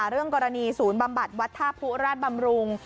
เรื่องกรณีศูนย์บำบัดวัดท่าผู้ราชบำรุง